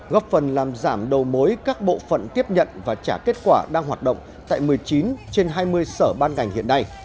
góp phần làm giảm đầu mối các bộ phận tiếp nhận và trả kết quả đang hoạt động tại một mươi chín trên hai mươi sở ban ngành hiện nay